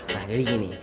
nah jadi gini